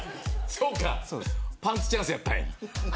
そうかパンツチャンスやったんや。